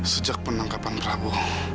sejak penangkapan prabu